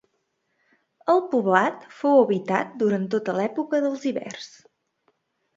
El poblat fou habitat durant tota l'època dels ibers.